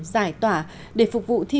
giải tỏa để phục vụ y học cổ truyền